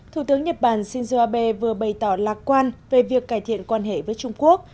thủ tướng nhật bản shinzo abe vừa bày tỏ lạc quan về việc cải thiện quan hệ với trung quốc